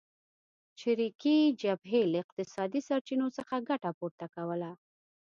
چریکي جبهې له اقتصادي سرچینو څخه ګټه پورته کوله.